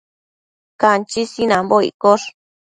Canchi sinanbo iccosh